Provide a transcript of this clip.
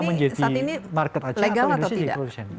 menjadi market saja atau indonesia jadi produsen